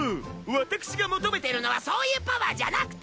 私が求めてるのはそういうパワーじゃなくて。